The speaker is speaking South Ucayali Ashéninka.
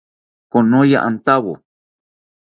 Konoya antawo